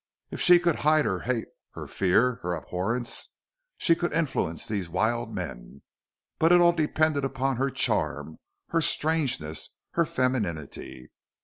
If she could hide her hate, her fear, her abhorrence, she could influence these wild men. But it all depended upon her charm, her strangeness, her femininity.